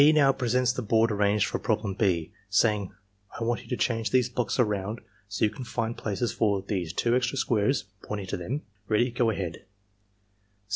now presents the board arranged for problem B, say EXAMINER'S GUIDE 109 ing: "/ tuant you to change these blocks around so you can find places for these two extra squares (pointing to them). Ready — go ahead.